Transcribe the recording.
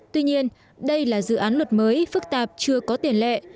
tuy nhiên đây là dự án luật mới phức tạp chưa có tiền lệ